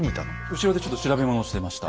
後ろでちょっと調べ物をしてました。